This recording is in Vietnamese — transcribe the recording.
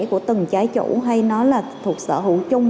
của từng trái chủ hay nó là thuộc sở hữu chung